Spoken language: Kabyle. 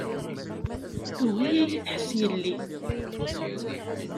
Tugi ad yi-tḥess yelli.